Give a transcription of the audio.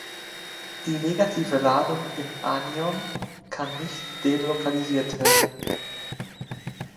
Die negative Ladung im Anion kann nicht delokalisiert werden.